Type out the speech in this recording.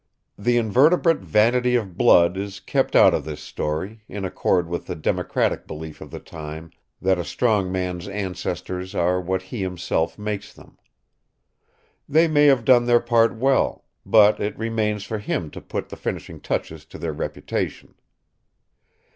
The invertebrate vanity of blood is kept out of this story, in accord with the democratic belief of the time that a strong man's ancestors are what he himself makes them. They may have done their part well, but it remains for him to put the finishing touches to their reputation.